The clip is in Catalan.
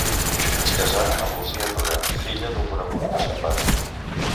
Es casà amb Lucia Tura, filla d'un conegut de son pare.